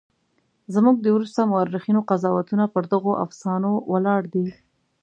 زموږ د وروسته مورخینو قضاوتونه پر دغو افسانو ولاړ دي.